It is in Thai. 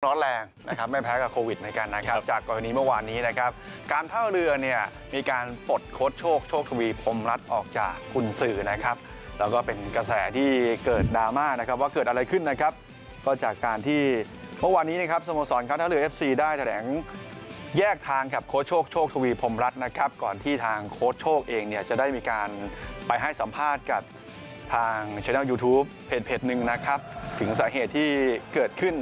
ร้อนแรงนะครับไม่แพ้กับโควิดในการนะครับจากกรณีเมื่อวานนี้นะครับการเท่าเรือเนี่ยมีการปลดโค้ดโชคโชคทวีพรมรัฐออกจากคุณสื่อนะครับแล้วก็เป็นกระแสที่เกิดดราม่านะครับว่าเกิดอะไรขึ้นนะครับก็จากการที่เมื่อวานนี้นะครับสมสอนการเท่าเรือเอฟซีได้แถลงแยกทางครับโค้ดโชคโชคทวีพรมรัฐนะครับก่